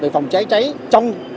phòng cháy cháy trong